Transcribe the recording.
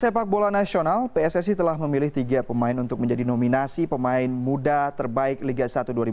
sepak bola nasional pssi telah memilih tiga pemain untuk menjadi nominasi pemain muda terbaik liga satu dua ribu dua puluh